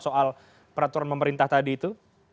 soal peraturan pemerintah tadi itu